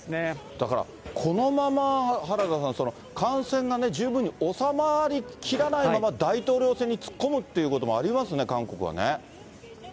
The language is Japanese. だからこのまま、原田さん、感染がね、十分に収まりきらないまま、大統領選に突っ込むということもありますね、韓国はね。